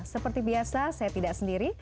seperti biasa saya tidak sendiri